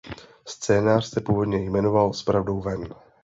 Scénář se původně jmenoval "S pravdou ven".